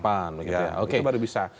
itu baru bisa